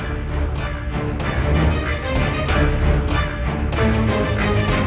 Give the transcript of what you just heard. silahkan selagi hangat